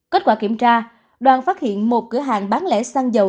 kết quả kiểm tra đoàn phát hiện một cửa hàng bán lẻ xăng dầu